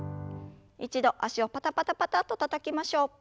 一度脚をパタパタパタッとたたきましょう。